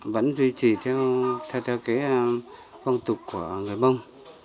vẫn duy trì theo phong tục của người mông